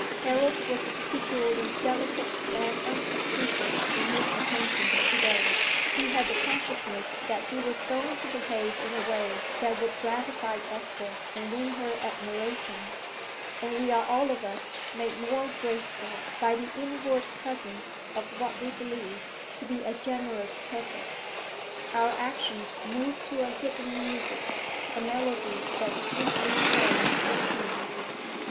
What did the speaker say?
Harold was particularly delicate and unobtrusive in his attentions to day: he had the consciousness that he was going to behave in a way that would gratify Esther and win her admiration, and we are all of us made more graceful by the inward presence of what we believe to be a generous purpose; our actions move to a hidden music "a melody that's sweetly played in tune."